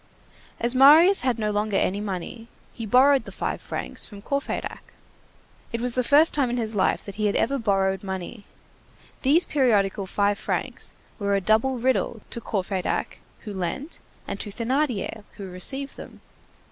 As Marius had no longer any money, he borrowed the five francs from Courfeyrac. It was the first time in his life that he had ever borrowed money. These periodical five francs were a double riddle to Courfeyrac who lent and to Thénardier who received them.